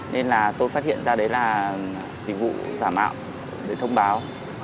nên là tôi phát hiện ra đấy là dịch vụ giả mạo để thông báo